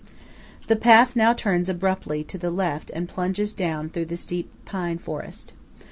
The path now turns abruptly to the left and plunges down through the steep pine forest.